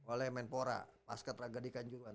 oleh menpora pasket raga di kanjuan